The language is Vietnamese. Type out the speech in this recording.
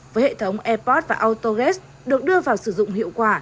với hệ thống airport và autogate được đưa vào sử dụng hiệu quả